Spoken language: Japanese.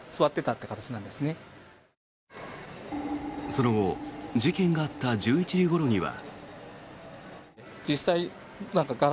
その後事件があった１１時ごろには。